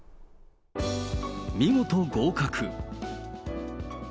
見事合格。